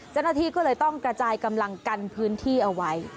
เจ้าหน้าที่ก็เลยต้องกระจายกำลังกันพื้นที่เอาไว้